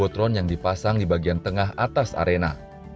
dan botron yang dipasang di bagian tengah atas arena